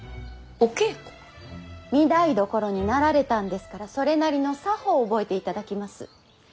御台所になられたんですからそれなりの作法を覚えていただきます。